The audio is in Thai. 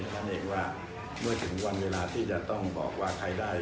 นั่นเองว่าเมื่อถึงวันเวลาที่จะต้องบอกว่าใครได้